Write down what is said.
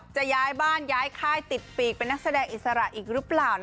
จะย้ายบ้านย้ายค่ายติดปีกเป็นนักแสดงอิสระอีกหรือเปล่า